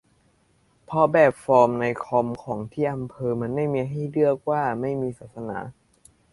เพราะแบบฟอร์มในคอมของที่อำเภอมันไม่มีให้เลือกว่าไม่มีศาสนา